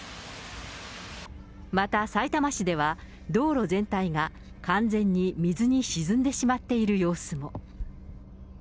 またさいたま市では、道路全体が完全に水に沈んでしまっている様子も。